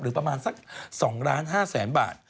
ประมาณสัก๒๕๐๐๐๐บาท